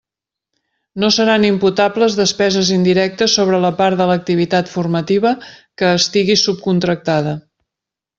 No seran imputables despeses indirectes sobre la part de l'activitat formativa que estigui subcontractada.